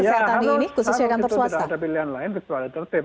iya karena sekarang itu tidak ada pilihan lain berkualitas tertip